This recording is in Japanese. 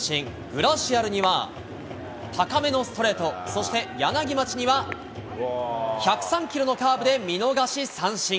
グラシアルには、高めのストレート、そして柳町には、１０３キロのカーブで見逃し三振。